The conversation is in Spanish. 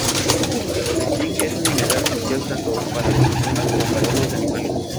El zinc es un mineral esencial tanto para las personas como para otros animales.